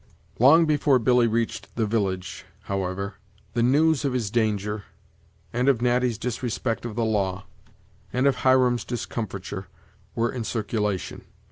Long before Billy' reached the village, however, the news of his danger, and of Natty's disrespect of the law, and of Hiram's discomfiture, were in circulation.